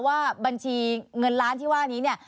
ว่าบัญชีเงินล้านที่ว่านี้เนี่ย